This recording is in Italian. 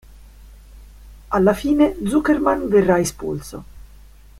Alla fine, Zuckerman verrà espulso.